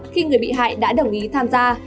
khi người bị hại đã đồng ý tham gia